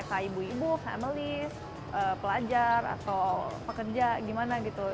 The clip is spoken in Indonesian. kayak ibu ibu family pelajar atau pekerja gimana gitu